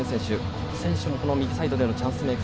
この選手も右サイドのチャンスメイク